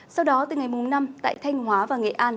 sau đó từ ngày mùng năm tại thanh hóa và nghệ an